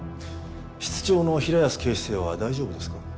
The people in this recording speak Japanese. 室長の平安警視正は大丈夫ですか？